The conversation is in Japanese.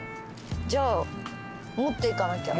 じゃあ持っていかなきゃ。